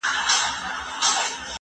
یو سپین ږیری وو ناروغه له کلونو